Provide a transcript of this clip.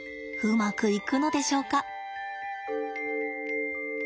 うまくいくのでしょうか。